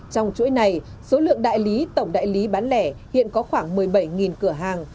trong chuỗi này số lượng đại lý tổng đại lý bán lẻ hiện có khoảng một mươi bảy cửa hàng